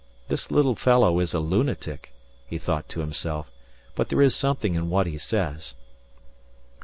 This little fellow is a lunatic, he thought to himself, but there is something in what he says.